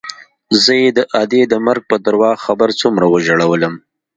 زه يې د ادې د مرګ په درواغ خبر څومره وژړولوم.